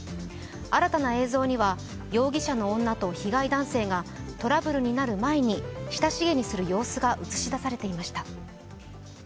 新たな映像には、容疑者の女と被害男性がトラブルになる前に親しげにする様子が映し出されていました。